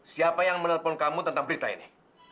siapa yang menelpon kamu tentang berita ini